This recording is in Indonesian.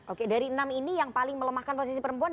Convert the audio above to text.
oke dari enam ini yang paling melemahkan posisi perempuan